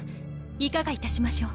いかがいたしましょう。